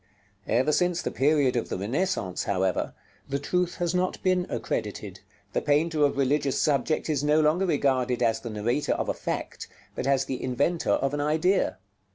§ LXI. Ever since the period of the Renaissance, however, the truth has not been accredited; the painter of religious subject is no longer regarded as the narrator of a fact, but as the inventor of an idea.